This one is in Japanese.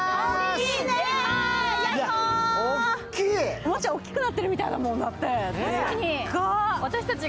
おもちゃ、おっきくなってるみたいだもん。